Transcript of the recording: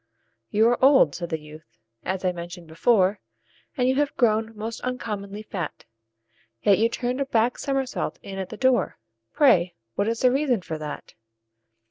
"You are old," said the youth, "as I mentioned before, And you have grown most uncommonly fat; Yet you turned a back somersault in at the door Pray what is the reason for that?"